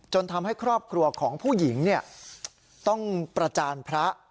ทำให้ครอบครัวของผู้หญิงต้องประจานพระ